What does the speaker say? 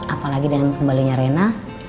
apalagi dengan kembalinya rena